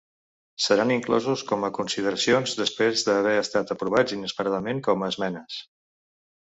Seran inclosos com a consideracions després d’haver estat aprovats inesperadament com a esmenes.